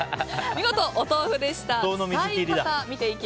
見事、お豆腐でした。